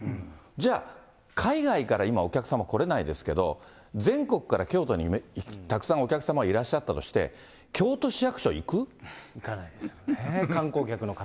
じゃあ、海外から今、お客様来れないですけれども、全国から京都にたくさんお客様いらっしゃったとして、行かないです。